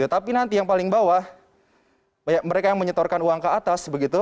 tapi nanti yang paling bawah mereka yang menyetorkan uang ke atas begitu